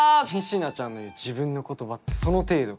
仁科ちゃんの言う自分の言葉ってその程度かよ